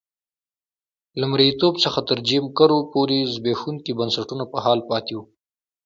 له مریتوب څخه تر جیم کرو پورې زبېښونکي بنسټونه په حال پاتې وو.